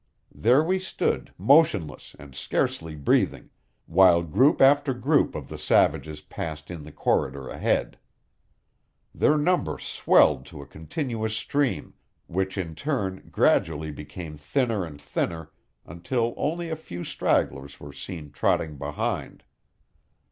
There we stood, motionless and scarcely breathing, while group after group of the savages passed in the corridor ahead. Their number swelled to a continuous stream, which in turn gradually became thinner and thinner until only a few stragglers were seen trotting behind.